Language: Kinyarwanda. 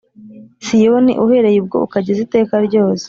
Siyoni uhereye ubwo ukageza iteka ryose